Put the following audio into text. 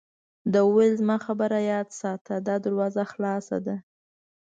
ده وویل: زما خبره یاد ساته، دا دروازه خلاصه ده.